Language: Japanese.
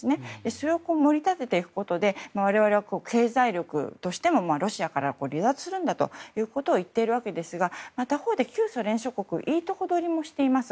それを盛り立てることで我々は経済力としてもロシアから離脱するということを言っているわけですが他方で旧ソ連諸国はいいとこ取りもしています。